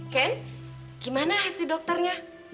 ken gimana hasil dokternya